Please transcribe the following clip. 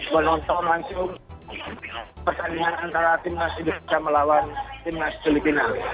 menonton langsung pertandingan antara timnas indonesia melawan timnas filipina